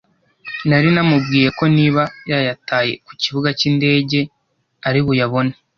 Nari namubwiye ko niba yayataye ku kibuga cy’indege ari buyabone